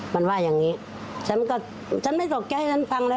มันว่าอย่างนี้ฉันก็ฉันไม่ตกใจให้ฉันฟังแล้ว